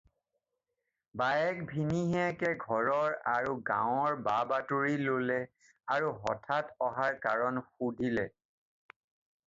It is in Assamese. বায়েক-ভিনীহিয়েকে ঘৰৰ আৰু গাঁৱৰ বা-বাতৰি ল'লে আৰু হঠাৎ অহাৰ কাৰণ সুধিলে।